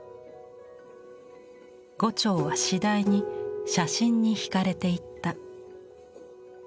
牛腸は次第に写真にひかれていった。